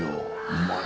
うまい。